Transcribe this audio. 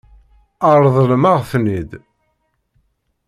Ṛeḍlemt-aɣ-ten-id.